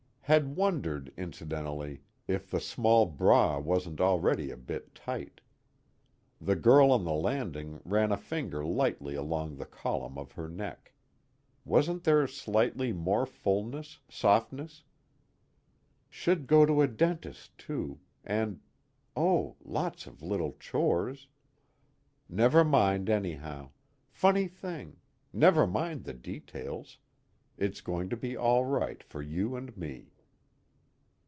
_ Had wondered, incidentally, if the small bra wasn't already a bit tight. The girl on the landing ran a finger lightly along the column of her neck wasn't there slightly more fullness, softness? _Should go to a dentist too and oh, lots of little chores. Never mind anyhow, Funny Thing, never mind the details, it's going to be all right for you and me.